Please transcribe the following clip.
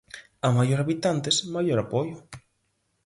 A maior habitantes, maior apoio.